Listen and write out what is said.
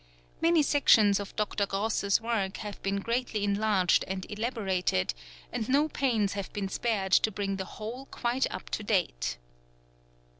Many sections of Dr. Gross's work have been greatly enlarged and elaborated, and no _ pains have been spared to bring the whole quite up to date.